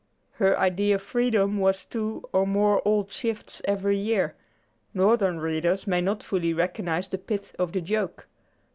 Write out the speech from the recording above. Her idea of freedom was two or more old shifts every year. Northern readers may not fully recognize the pith of the joke.